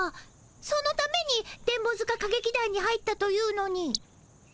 そのために電ボ塚歌劇団に入ったというのに。